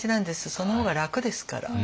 その方が楽ですから。